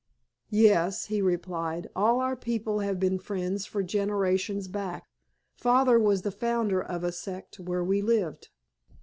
"Yes," he replied, "all our people have been Friends for generations back. Father was the founder of a sect where we lived."